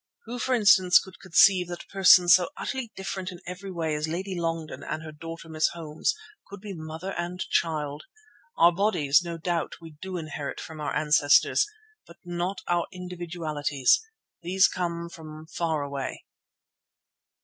Who, for instance, could conceive that persons so utterly different in every way as Lady Longden and her daughter, Miss Holmes, could be mother and child? Our bodies, no doubt, we do inherit from our ancestors, but not our individualities. These come from far away.